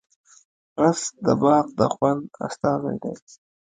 رس د باغ د خوند استازی دی